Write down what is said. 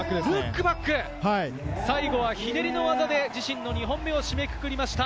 最後はひねりの技で自身の２本目を締めくくりました。